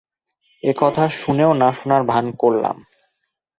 একথা শুনেও না শোনার ভান করলাম।